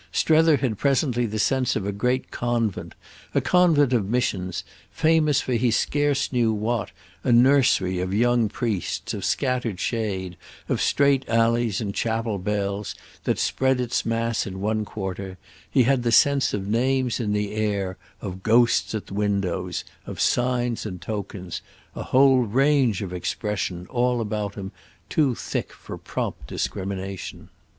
Strether had presently the sense of a great convent, a convent of missions, famous for he scarce knew what, a nursery of young priests, of scattered shade, of straight alleys and chapel bells, that spread its mass in one quarter; he had the sense of names in the air, of ghosts at the windows, of signs and tokens, a whole range of expression, all about him, too thick for prompt discrimination.